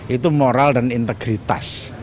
itu moral dan integritas